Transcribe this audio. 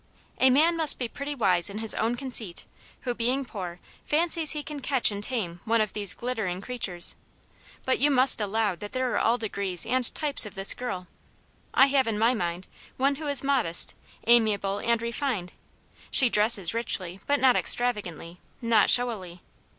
" A man must be pretty v/ise in his own conceit, who, being, poor, fancies he can catch and tame one of these glittering creatures* But you must Aunt Jane's Hero, 257 allow that there are all degrees and types of this girl. I have in my mind one who is modest, ami able, and refined ; she dresses richly, but not extra vagantly, not showily.